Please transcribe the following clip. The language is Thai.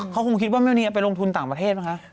เขาคงคิดว่ากรมที่นี้เป็นลวงทุนต่างประเทศไหมคะ